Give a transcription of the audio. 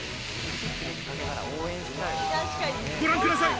ご覧ください。